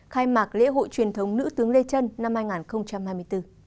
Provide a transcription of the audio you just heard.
khai mạc lễ hội truyền thống nữ tướng lê trân năm hai nghìn hai mươi bốn